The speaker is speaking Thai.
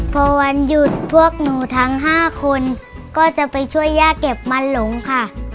พอวันหยุดพวกหนูทั้ง๕คนก็จะไปช่วยย่าเก็บมันหลงค่ะ